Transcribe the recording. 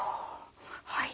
はい。